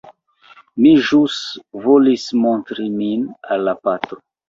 Mi ĵus volis montri min al la patro.